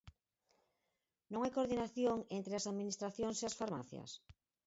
Non hai coordinación entre as Administracións e as farmacias?